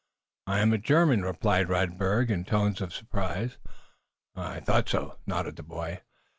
"I am German," replied Radberg, in a tone of surprise. "I thought so," nodded the boy.